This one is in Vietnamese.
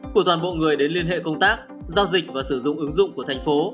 của toàn bộ người đến liên hệ công tác giao dịch và sử dụng ứng dụng của thành phố